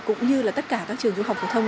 cũng như là tất cả các trường trung học phổ thông